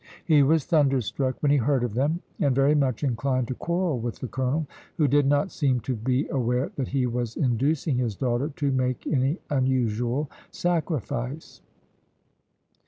He was thunderstruck when he heard of them, and very much inclined to quarrel with the colonel, who did not seem to be aware that he was inducing his daughter to make any unusual sacrifice.